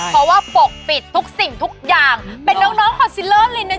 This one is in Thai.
เพราะว่าปกปิดสิ่งทุกอย่างเป็นน้องสฮอลลี่เริ่มเลยนะจ๊ะ